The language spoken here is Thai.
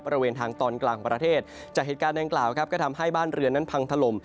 บริเวณทางตอนกลางของประเทศจากเหตุการณ์ดังกล่าวครับก็ทำให้บ้านเรือนนั้นพังถล่ม